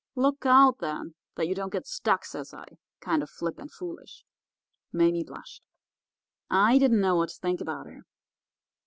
"'Look out, then, that you don't get stuck,' says I, kind of flip and foolish. "Mame blushed. I didn't know what to think about her.